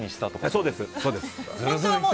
そうです。